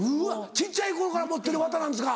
小っちゃい頃から持ってる綿なんですか。